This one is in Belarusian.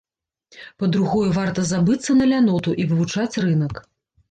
Па-другое, варта забыцца на ляноту і вывучаць рынак.